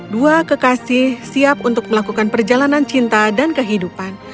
dua kekasih siap untuk melakukan perjalanan cinta dan kehidupan